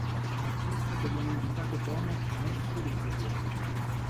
Battista che viene indicato come "maestro dei corrieri".